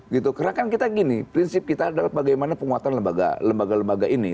karena kan kita gini prinsip kita adalah bagaimana penguatan lembaga lembaga ini